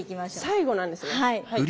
最後なんですね。